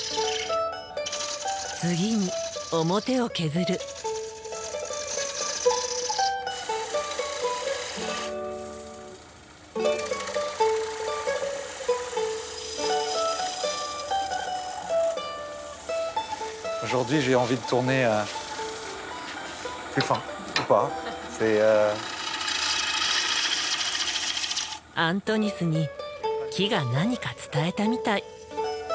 アントニスに木が何か伝えたみたい。